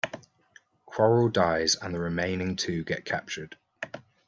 Quarrel dies and the remaining two get captured.